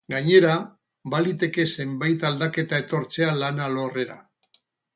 Gainera baliteke zenbait aldaketa etortzea lan alorrera.